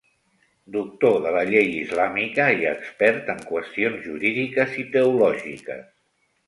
Doctor de la llei islàmica i expert en qüestions jurídiques i teològiques.